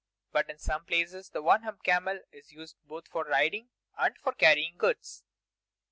But in some places the One Hump camel is used both for riding and for carrying goods.